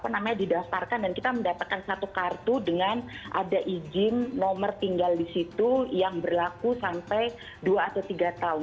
namanya didaftarkan dan kita mendapatkan satu kartu dengan ada izin nomor tinggal di situ yang berlaku sampai dua atau tiga tahun